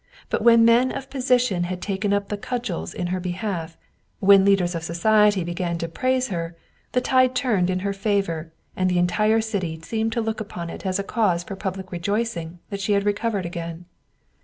But when men of position had taken up the cudgels in her behalf, when leaders of society began to praise her, the tide turned in her favor, and the entire city seemed to look upon it as a cause for public rejoicing that she had recovered again.